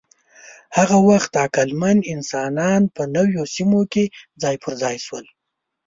هغه وخت عقلمن انسانان په نویو سیمو کې ځای پر ځای شول.